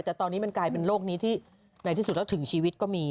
แต่ตอนนี้มันกลายเป็นโรคนี้ที่ในที่สุดแล้วถึงชีวิตก็มี